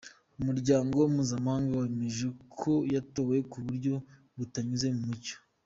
Umuryango Mpuzamahanga wemeje ko yatowe ku buryo butanyuze mu mucyo.